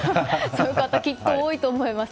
そういう方きっと多いと思います。